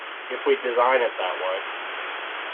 If we design it that way.